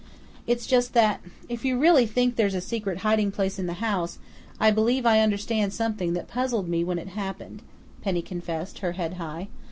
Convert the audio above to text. "It's just that, if you really think there's a secret hiding place in the house, I believe I understand something that puzzled me when it happened," Penny confessed, her head high.